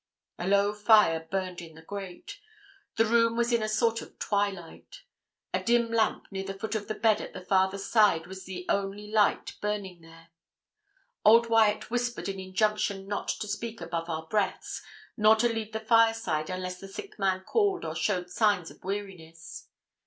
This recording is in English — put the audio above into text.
A low fire burned in the grate. The room was in a sort of twilight. A dim lamp near the foot of the bed at the farther side was the only light burning there. Old Wyat whispered an injunction not to speak above our breaths, nor to leave the fireside unless the sick man called or showed signs of weariness.